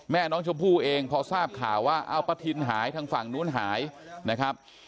แม่น้องชมพู่เองพอทราบข่าวว่าเอาประทินหายทางฝั่งนู้นหายนะครับ